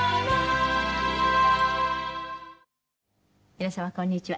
皆様こんにちは。